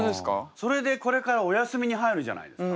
それでこれからお休みに入るじゃないですか？